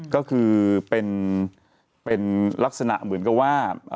ก็คือเป็นลักษณะเหมือนกับว่า